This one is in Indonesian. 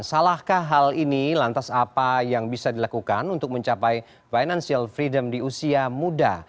salahkah hal ini lantas apa yang bisa dilakukan untuk mencapai financial freedom di usia muda